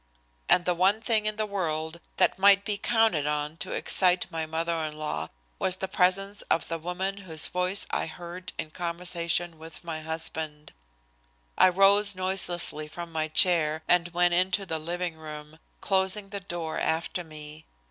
And the one thing in the world that might be counted on to excite my mother in law was the presence of the woman whose voice I heard in conversation with my husband. I rose noiselessly from my chair and went into the living room, closing the door after me.